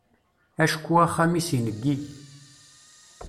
Acku axxam-is ineggi.